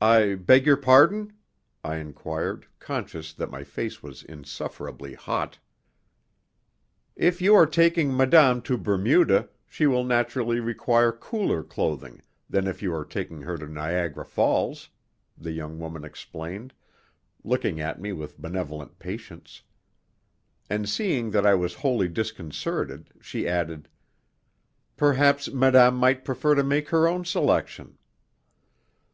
"I beg your pardon?" I inquired, conscious that my face was insufferably hot. "If you are taking madame to Bermuda she will naturally require cooler clothing than if you are taking her to Niagara Falls," the young woman explained, looking at me with benevolent patience. And seeing that I was wholly disconcerted she added: "Perhaps madame might prefer to make her own selection."